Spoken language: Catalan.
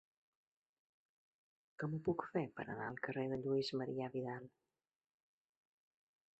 Com ho puc fer per anar al carrer de Lluís Marià Vidal?